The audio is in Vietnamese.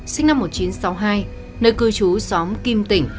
sinh năm một nghìn chín trăm sáu mươi hai nơi cư trú xóm kim tỉnh